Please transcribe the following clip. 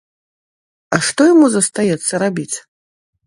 А што яму застаецца рабіць?